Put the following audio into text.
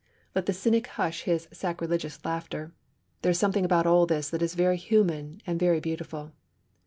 Let the cynic hush his sacrilegious laughter! There is something about all this that is very human, and very beautiful.